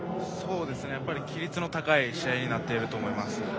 やっぱり規律の高い試合になっていると思います。